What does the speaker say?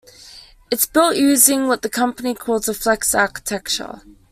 It's built using what the company calls a "Flex architecture".